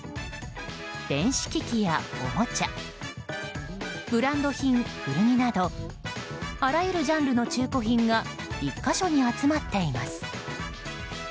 電子機器やおもちゃブランド品、古着などあらゆるジャンルの中古品が１か所に集まっています。